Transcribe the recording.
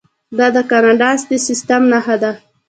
دا د کاناډا د سیستم نښه ده.